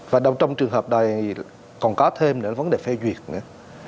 và trong trường hợp này còn có thêm nữa là vấn đề phê duyệt nữa